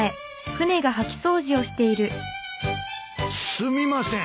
すみません。